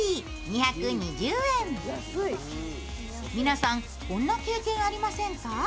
皆さん、こんな経験ありませんか？